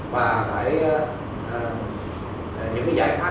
và phải những giải pháp